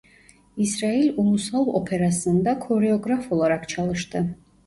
İsrail Ulusal Operası'nda koreograf olarak çalıştı.